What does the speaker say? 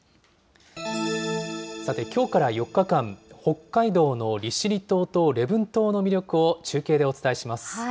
さて、きょうから４日間、北海道の利尻島と礼文島の魅力を中継でお伝えします。